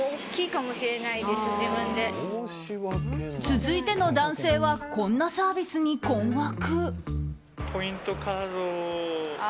続いての男性はこんなサービスに困惑。